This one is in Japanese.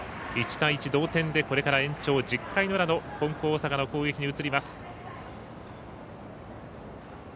１対１、同点でこれから延長１０回の裏の金光大阪の攻撃に移ります。